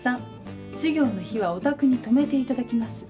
３授業の日はお宅に泊めていただきます。